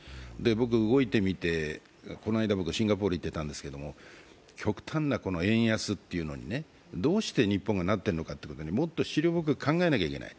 僕は動いてみて、この間もシンガポールに行ってたんですが極端な円安というのに、どうして日本がなっているのか、もっと思慮深く考えなきゃいけない。